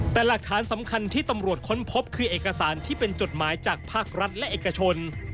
แต่หลักฐานสำคัญที่ตำรวจค้นพบคือเอกสารที่เป็นจดหมายจากภาครัฐและเอกชน